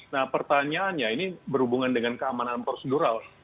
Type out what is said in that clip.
nah pertanyaannya ini berhubungan dengan keamanan prosedural